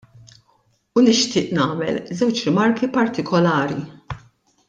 U nixtieq nagħmel żewġ rimarki partikolari.